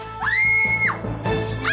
sudah sudah sudah